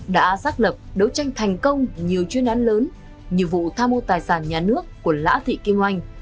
đã xác lập đấu tranh thành công nhiều chuyên án lớn như vụ tham mô tài sản nhà nước của lã thị kim oanh